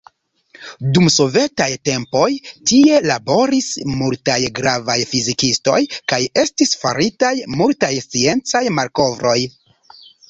Dum sovetaj tempoj tie laboris multaj gravaj fizikistoj kaj estis faritaj multaj sciencaj malkovroj.